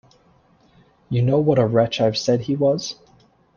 You know what a wretch I’ve said he was?